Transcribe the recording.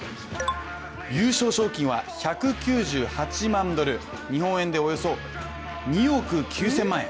優勝賞金は１９８万ドル日本円でおよそ２億９０００万円。